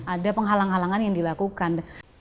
ada penghalang halangan yang dilakukan